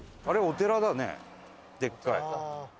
あれお寺だねでっかい。